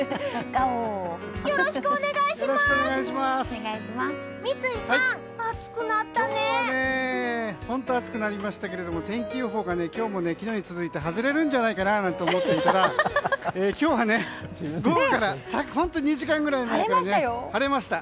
今日は本当暑くなりましたけれども天気予報が今日も昨日に続いて外れるんじゃないかなと思っていたら今日は午後から２時間くらい前から晴れました。